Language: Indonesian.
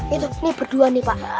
ini berdua nih pak